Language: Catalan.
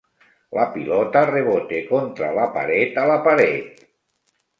La pilota reboté contra la paret, a la paret.